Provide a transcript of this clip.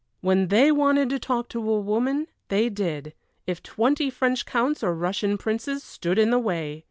When they wanted to talk to a woman they did, if twenty French counts or Russian princes stood in the way!